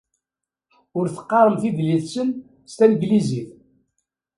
Ur teqqaremt idlisen s tanglizit.